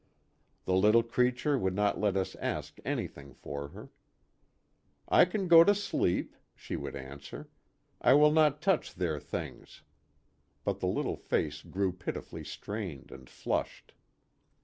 The little creature would not let us ask anything for her. " I can go to sleep," she would answer. " I will not touch their things " but the little face grew pitifully strained and flushed.